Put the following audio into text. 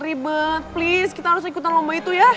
ribet please kita harus ikutan lomba itu ya